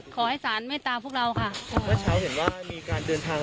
ขอให้สารเมตตาพวกเราค่ะเมื่อเช้าเห็นว่ามีการเดินทาง